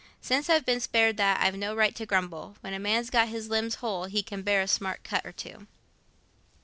Since I've been spared that, I've no right to grumble. When a man's got his limbs whole, he can bear a smart cut or two."